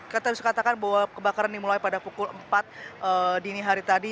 kita bisa katakan bahwa kebakaran dimulai pada pukul empat dini hari tadi